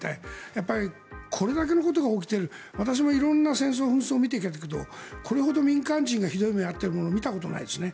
やっぱりこれだけのことが起きて私も色んな戦争や紛争を見てきたけどこれほど民間人がひどい目に遭っているものを見たことがないですね。